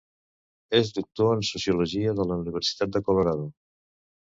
És doctor en sociologia de la Universitat de Colorado.